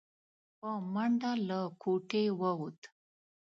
په منډه له کوټې ووت.